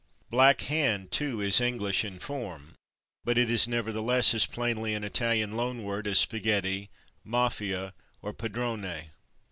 /Black hand/, too, is English in form, but it is nevertheless as plainly an Italian loan word as /spaghetti/, /mafia/ or /padrone